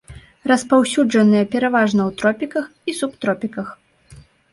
Распаўсюджаныя пераважна ў тропіках і субтропіках.